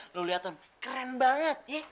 lo lihat ton keren banget ya